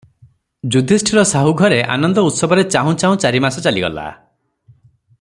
ଯୁଧିଷ୍ଠିର ସାହୁ ଘରେ ଅନନ୍ଦ ଉତ୍ସବରେ ଚାହୁଁ ଚାହୁଁ ଚାରିମାସ ଚାଲିଗଲା ।